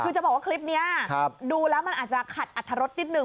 คือจะบอกว่าคลิปนี้ดูแล้วมันอาจจะขัดอัตรรสนิดนึ